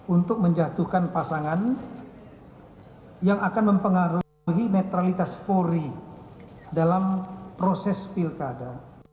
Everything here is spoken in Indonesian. untuk menjatuhkan pasangan yang akan mempengaruhi netralitas polri dalam proses pilkada